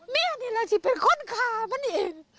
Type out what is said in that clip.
แม่นี่ละที่เป็นคนขามันเอง